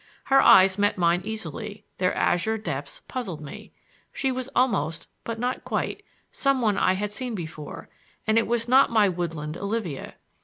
Her eyes met mine easily; their azure depths puzzled me. She was almost, but not quite, some one I had seen before, and it was not my woodland Olivia.